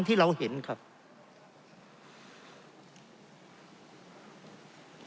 เพราะเรามี๕ชั่วโมงครับท่านนึง